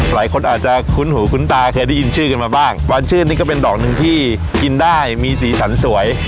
หลายคนอาจจะคุ้นหูคุ้นตาเคยได้ยินชื่อกันมาบ้างวานชื่นนี่ก็เป็นดอกหนึ่งที่กินได้มีสีสันสวย